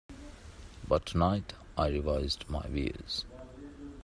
But tonight I revised my views.